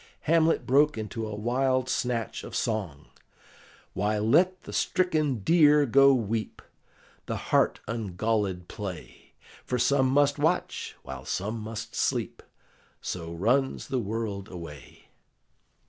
Hamlet broke into a wild snatch of song: "Why, let the stricken deer go weep, The hart ungallèd play; For some must watch, while some must sleep, So runs the world away."